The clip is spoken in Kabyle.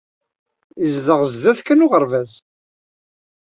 Yezdeɣ sdat kan uɣerbaz.